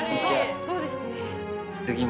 そうですね。